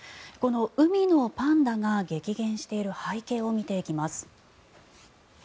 この海のパンダが激減している背景を見ていきます。